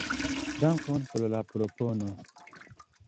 Dankon por la propono.